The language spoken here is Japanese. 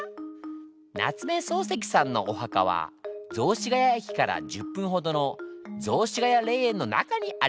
夏目漱石さんのお墓は雑司が谷駅から１０分ほどの雑司ヶ谷霊園の中にあります。